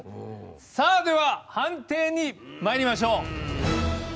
さあでは判定にまいりましょう。